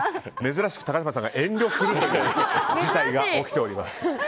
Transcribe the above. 珍しく高嶋さんが遠慮するという事態が起きております。